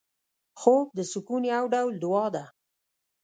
خوب د سکون یو ډول دعا ده